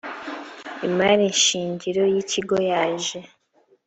imari shingiro y ikigo yaje